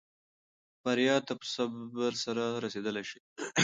بریا ته په صبر سره رسېدلای شې.